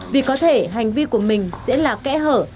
vì có thể hành vi của mình sẽ là kẽ hở